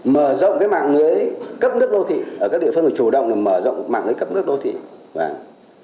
mở rộng mạng lưới cấp nước đô thị đến khu vực nông thôn nâng cận để góp phần đáp ứng nước cho người dân